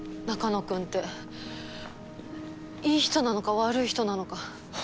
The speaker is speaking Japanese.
中野くんっていい人なのか悪い人なのか。